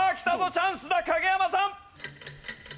チャンスだ影山さん！